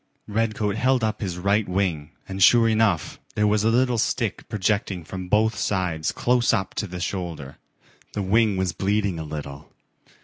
Redcoat held up his right wing and sure enough there was a little stick projecting from both sides close up to the shoulder. The wing was bleeding a little.